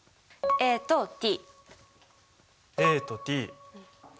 ＡとＴ。